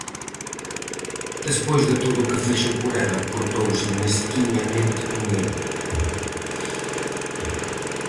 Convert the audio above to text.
Despois de todo o que fixo por ela, portouse mesquiñamente con el.